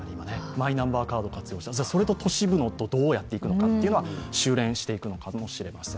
マイナンバーカードを活用して、それと都市部とどうやっていくのか収れんしていくのかもしれません。